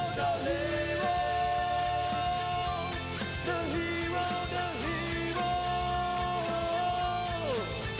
แชลเบียนชาวเล็ก